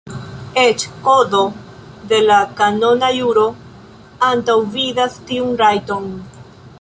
Eĉ Kodo de la Kanona juro antaŭvidas tiun rajton.